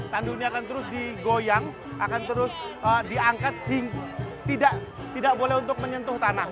tandu ini akan terus digoyang akan terus diangkat tidak boleh untuk menyentuh tanah